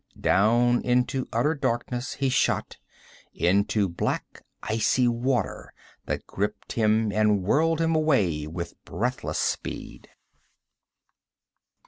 Down into utter darkness he shot, into black icy water that gripped him and whirled him away with breathless speed.